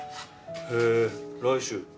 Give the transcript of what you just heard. へえ来週？